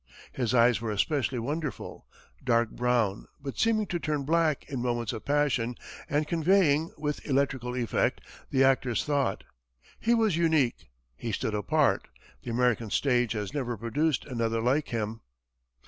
His eyes were especially wonderful, dark brown, but seeming to turn black in moments of passion, and conveying, with electrical effect, the actor's thought. He was unique. He stood apart. The American stage has never produced another like him.